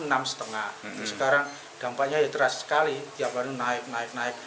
rp enam lima ratus itu rata rata ya terasa sekali tiap hari naik naik naik